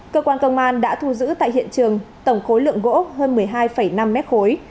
cơ quan công an đã thu giữ tại hiện trường tổng khối lượng gỗ hơn một mươi hai năm mét khối